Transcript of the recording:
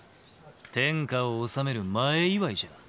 天下を治める前祝いじゃ！